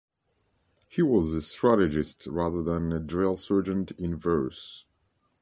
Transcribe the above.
He was a strategist rather than a drill-sergeant in verse.